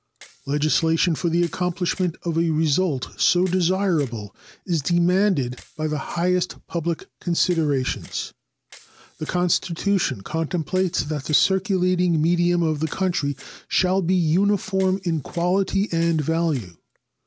Legislation for the accomplishment of a result so desirable is demanded by the highest public considerations. The Constitution contemplates that the circulating medium of the country shall be uniform in quality and value.